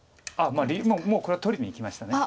もうこれは取りにいきました。